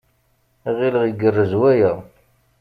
Ɣileɣ igerrez waya.